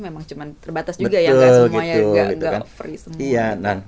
memang cuma terbatas juga ya